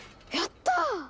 やった！